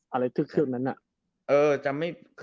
อะไรทึกนั้นน่ะ